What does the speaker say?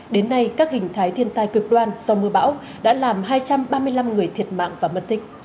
đến nay các hình thái thiên tai cực đoan do mưa bão đã làm hai trăm ba mươi năm người thiệt mạng và mất tích